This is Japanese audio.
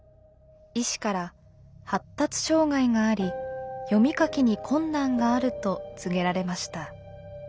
医師から「発達障害があり読み書きに困難がある」と告げられました。